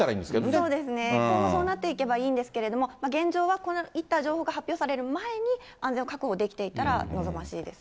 そうですね、今後、そうなっていけばいいんですけれども、現状はこういった情報が発表される前に安全を確保できていたら望ましいです。